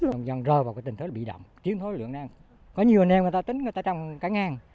dần dần rơi vào cái tình thức bị động chiến thối lượng năng có nhiều nơi người ta tính người ta trong cái ngang